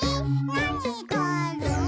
「なにがある？」